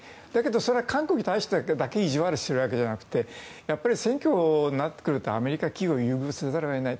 これは韓国に対してだけ意地悪しているわけじゃなくてやっぱり選挙になってくるとアメリカ企業を優遇せざるを得ない。